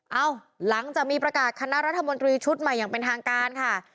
เอ้าหลังจากมีประกาศคณะรัฐมนตรีชุดใหม่อย่างเป็นทางการค่ะ